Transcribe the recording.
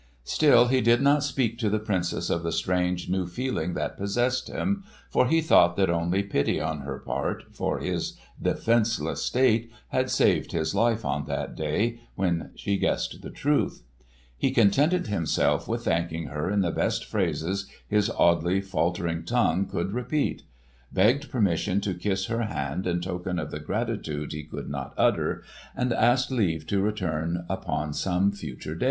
Still he did not speak to the Princess of the strange new feeling that possessed him, for he thought that only pity on her part, for his defenceless state, had saved his life on that day when she guessed the truth. He contented himself with thanking her in the best phrases his oddly faltering tongue could repeat; begged permission to kiss her hand in token of the gratitude he could not utter; and asked leave to return upon some future day.